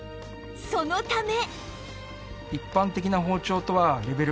そのため